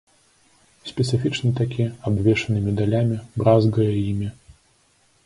Спецыфічны такі, абвешаны медалямі, бразгае імі.